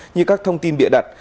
như các thông tin bịa đặt